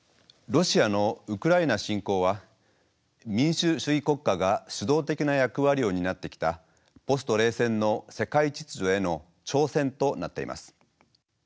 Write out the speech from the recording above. ロシアのウクライナ侵攻は民主主義国家が主導的な役割を担ってきたポスト冷戦の世界秩序への挑戦となっています。